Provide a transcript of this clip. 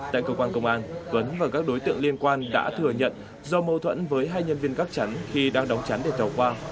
tại cơ quan công an tuấn và các đối tượng liên quan đã thừa nhận do mâu thuẫn với hai nhân viên gác chắn khi đang đóng chắn để tàu khoa